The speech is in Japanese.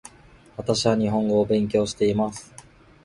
私は日本語を勉強しています